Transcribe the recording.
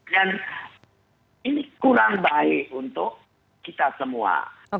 ini kurang baik untuk kita semua